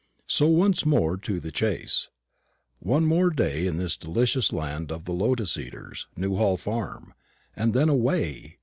So once more to the chase. One more day in this delicious island of the lotus eaters, Newhall farm; and then away!